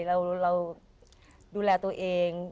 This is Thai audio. เราดูแลตัวเอง